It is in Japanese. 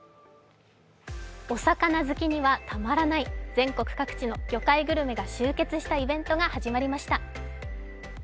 お魚好きにはたまらない、全国各地の魚介グルメが集結したイベントが始まりました。